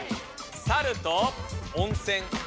「サル」と「温泉」。